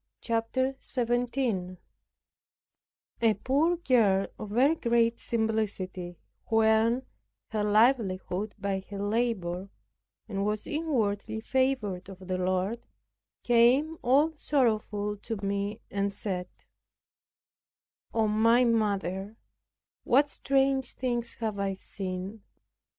CHAPTER 17 A poor girl of very great simplicity, who earned her livelihood by her labor, and was inwardly favored of the Lord, came all sorrowful to me, and said, "Oh my mother, what strange things have I seen!"